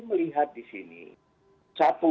melihat disini satu